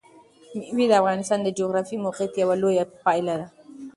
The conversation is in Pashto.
مېوې د افغانستان د جغرافیایي موقیعت یوه لویه پایله ده.